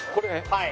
はい。